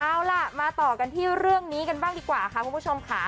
เอาล่ะมาต่อกันที่เรื่องนี้กันบ้างดีกว่าค่ะคุณผู้ชมค่ะ